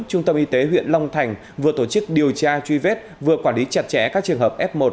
trung tâm y tế huyện long thành vừa tổ chức điều tra truy vết vừa quản lý chặt chẽ các trường hợp f một